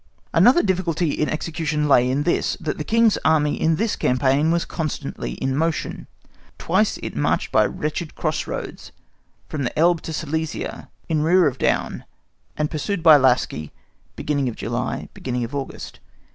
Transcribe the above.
Again, another difficulty in execution lay in this, that the King's Army in this campaign was constantly in motion. Twice it marched by wretched cross roads, from the Elbe into Silesia, in rear of Daun and pursued by Lascy (beginning of July, beginning of August).